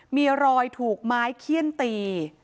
มีรอยถูกไม้เขี้ยนตี